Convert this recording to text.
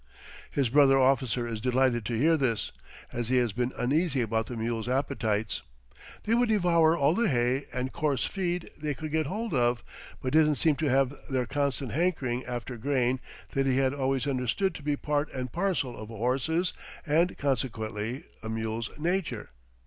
His brother officer is delighted to hear this, as he has been uneasy about the mules' appetites; they would devour all the hay and coarse feed they could get hold of, but didn't seem to have that constant hankering after grain that he had always understood to be part and parcel of a horse's, and, consequently, a mule's, nature.